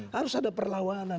harus ada perlawanan